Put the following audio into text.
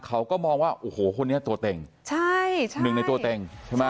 เขาก็มองว่าโอ้โหคนนี้ตัวเต็งใช่ใช่หนึ่งในตัวเต็งใช่ไหม